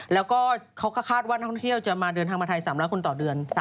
แล้วก็เขาก็คาดว่านักท่องเที่ยวจะมาเดินทางมาไทย๓๐๐คนต่อเดือน